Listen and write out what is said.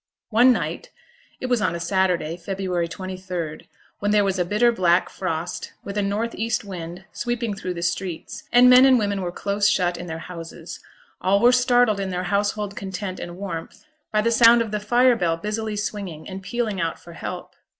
One night it was on a Saturday, February 23rd, when there was a bitter black frost, with a north east wind sweeping through the streets, and men and women were close shut in their houses all were startled in their household content and warmth by the sound of the fire bell busily swinging, and pealing out for help.